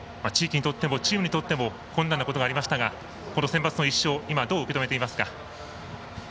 地域にとってもチームにとっても困難なことがありましたがこのセンバツの１勝を今どう受け止めていますか？